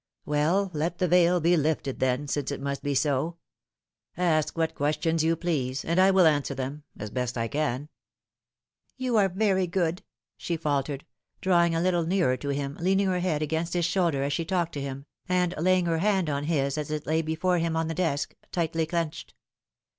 " Well, let the veil be lifted then, since it must be so. Ask what questions you please, and I will answer them as best I can." " You are very good," she faltered, drawing a little nearer to him, leaning her head against his shoulder as she talked to him, and laying her hand on his as it lay before him on the desk, tightly clenched.